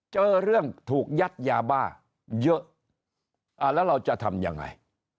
เจอเรื่องถูกยัดยาบ้าเยอะแล้วเราจะทำยังไง